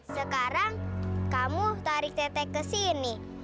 sekarang kamu tarik teteh ke sini